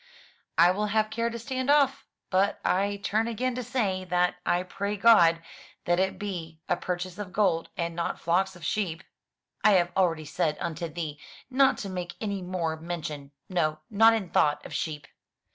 " I will have care to stand off. But I turn again to say, that I pray God that it be a purchase of gold, and not flocks of sheep." "I have already said unto thee not to make any more men tion, no, not in thought, of sheep.